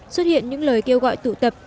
xuất hiện những lời kêu gọi tụ tập